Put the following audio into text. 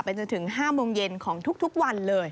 จนถึง๕โมงเย็นของทุกวันเลย